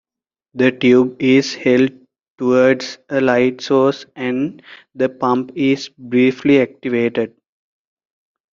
The tube is held towards a light source and the pump is briefly activated.